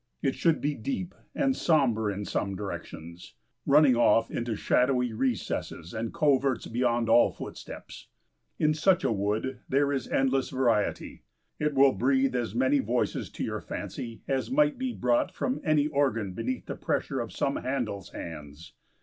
It should be deep and sombre in some directions, running off into shadowy recesses and coverts beyond all footsteps. In such a wood there is endless variety. It will breathe as many voices to your fancy as might be brought from any organ beneath the pressure of some Handel's hands.